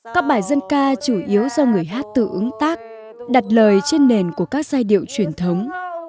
các bài dân ca chủ yếu do người hát tự ứng tác đặt lời trên nền của các giai điệu truyền thống